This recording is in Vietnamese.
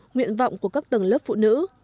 nguyện vọng của các tầng lớp phụ nữ